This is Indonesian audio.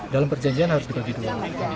dalam perjanjian harus dibagi dua